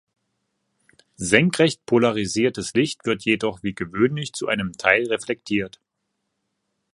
Senkrecht polarisiertes Licht wird jedoch wie gewöhnlich zu einem Teil reflektiert.